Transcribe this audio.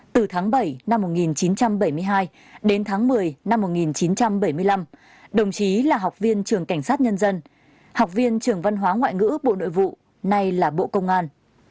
từ tháng bảy năm một nghìn chín trăm bảy mươi hai đến tháng một mươi năm một nghìn chín trăm bảy mươi năm đồng chí là học viên trường cảnh sát nhân dân học viên trường văn hóa ngoại ngữ bộ nội vụ nay là bộ công an